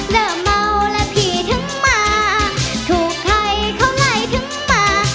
เริ่มเมาแล้วพี่ถึงมาถูกใครเข้าไหนถึงมา